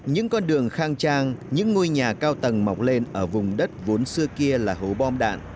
những con đường khang trang những ngôi nhà cao tầng mọc lên ở vùng đất vốn xưa kia là hố bom đạn